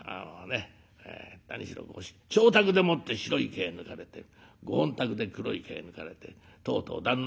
何しろご妾宅でもって白い毛抜かれてご本宅で黒い毛抜かれてとうとう旦那